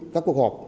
các cuộc họp